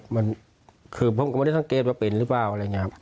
มันคือผมก็ไม่ได้สังเกตว่าเป็นหรือเปล่าอะไรอย่างนี้ครับ